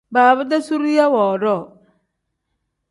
Baaba-dee zuriya woodoo.